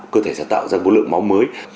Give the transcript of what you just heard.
cơ thể sẽ tạo ra một lượng máu mới